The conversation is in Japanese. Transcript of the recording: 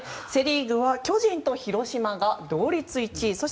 セ・リーグは巨人と広島が同率１位。